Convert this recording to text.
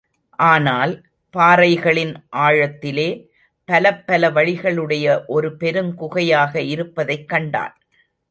ஆனால், பாறைகளின் ஆழத்திலே, பலப்பல வழிகளையுடைய ஒரு பெருங்குகையாக இருப்பதைக் கண்டான்.